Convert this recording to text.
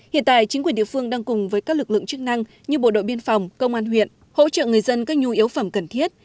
hiện tại chính quyền địa phương đang cùng với các lực lượng chức năng như bộ đội biên phòng công an huyện hỗ trợ người dân các nhu yếu phẩm cần thiết